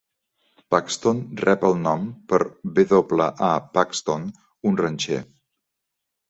Paxton rep el nom per W. A. Paxton, un ranxer.